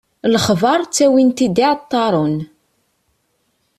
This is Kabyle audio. Lexbar, ttawin-t-id iεeṭṭaren.